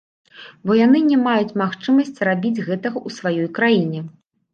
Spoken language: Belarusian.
Бо яны не маюць магчымасці рабіць гэтага ў сваёй краіне.